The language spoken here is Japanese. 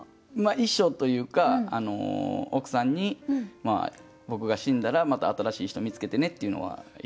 遺書というか奥さんに「僕が死んだらまた新しい人見つけてね」っていうのは言いましたね。